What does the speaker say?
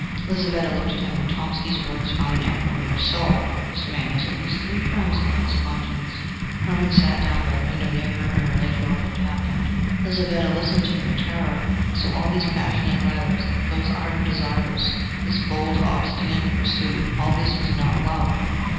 Lizaveta looked at him, and Tomsky's words found an echo in her soul: "This man has at least three crimes upon his conscience!" Hermann sat down by the window near her, and related all that had happened. Lizaveta listened to him in terror. So all those passionate letters, those ardent desires, this bold obstinate pursuit all this was not love!